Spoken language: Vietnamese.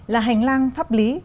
là hành lang pháp lý